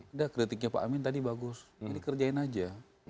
udah kritiknya pak amin tadi bagus jadi kerjain aja